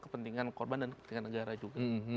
kepentingan korban dan kepentingan negara juga